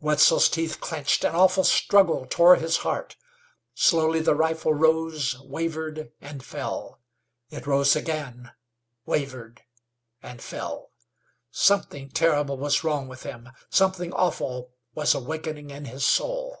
Wetzel's teethe clenched, an awful struggle tore his heart. Slowly the rifle rose, wavered and fell. It rose again, wavered and fell. Something terrible was wrong with him; something awful was awakening in his soul.